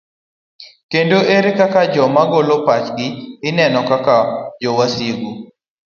Kendo ere kaka joma golo pachgi ineno kaka jo wasigu?